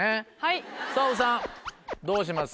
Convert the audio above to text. ひさおさんどうします？